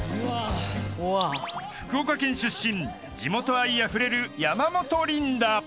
［福岡県出身地元愛あふれる山本リンダ］